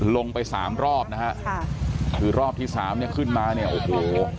ลงไปสามรอบนะฮะค่ะคือรอบที่สามเนี่ยขึ้นมาเนี่ยโอ้โห